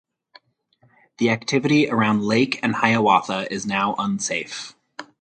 The activity around Lake and Hiawatha is now unsafe.